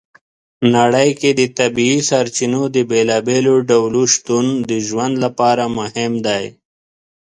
نړۍ کې د طبیعي سرچینو د بېلابېلو ډولو شتون د ژوند لپاره مهم دی.